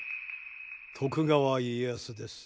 徳川家康です。